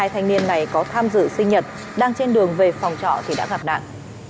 hai thanh niên này có tham dự sinh nhật đang trên đường về phòng trọ thì đã gặp nạn